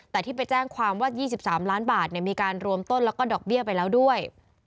แต่ที่ไปแจ้งความว่า๒๓ล้านบาทมีการรวมต้นแล้วก็ดอกเบี้ยไปแล้วด้วย